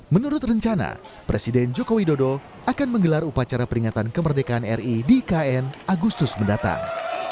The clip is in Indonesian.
menurut rencana presiden joko widodo akan menggelar upacara peringatan kemerdekaan ri di ikn agustus mendatang